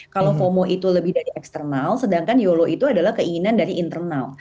kalau fomo itu lebih dari eksternal sedangkan yolo itu adalah keinginan dari internasional